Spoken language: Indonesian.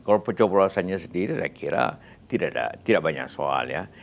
kalau pencoblosannya sendiri saya kira tidak banyak soal ya